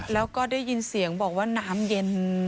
แล้วก็ได้ยินเสียงบอกว่าน้ำเย็น